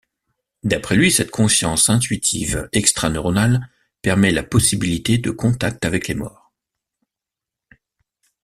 D'après lui cette conscience intuitive extraneuronale permet la possibilité de contact avec les morts.